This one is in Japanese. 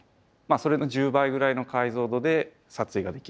それの１０倍ぐらいの解像度で撮影ができるカメラになります。